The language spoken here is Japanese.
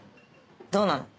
どうなの？